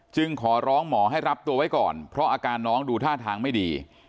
ขอร้องหมอให้รับตัวไว้ก่อนเพราะอาการน้องดูท่าทางไม่ดี